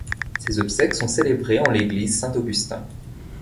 Ses obsèques sont célébrés en l'église Saint-Augustin.